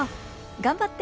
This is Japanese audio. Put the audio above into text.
頑張って！